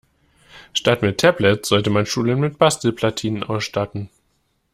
Statt mit Tablets sollte man Schulen mit Bastelplatinen ausstatten.